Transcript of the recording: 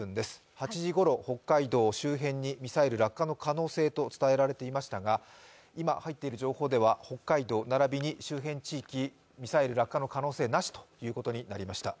８時ごろ、北海道周辺にミサイル落下の可能性と伝えられていましたが今入っている情報では北海道並びに周辺地域へのミサイル落下の可能性はなしということになりました。